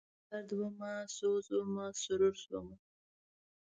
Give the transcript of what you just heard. درد وم، سوز ومه، سرور شوم